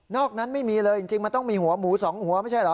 อกนั้นไม่มีเลยจริงมันต้องมีหัวหมูสองหัวไม่ใช่เหรอ